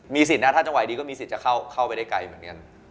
สิทธิ์นะถ้าจังหวะดีก็มีสิทธิ์จะเข้าไปได้ไกลเหมือนกัน